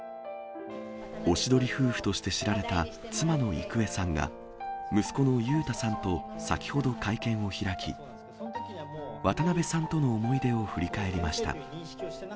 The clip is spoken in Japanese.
おしどり夫婦として知られた妻の郁恵さんが、息子の裕太さんと先ほど会見を開き、渡辺さんとの思い出を振り返りました。